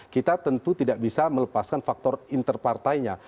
kita tentu tidak bisa melepaskan faktor interpartainya